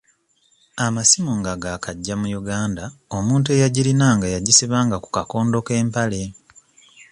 Amasimu nga gaakajja mu Uganda omuntu eyagirinanga yagisibanga ku kakondo k'empale.